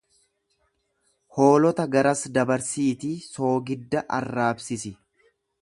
Hoolota garas dabarsiitii soogidda arraabsisi.